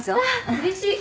うれしい。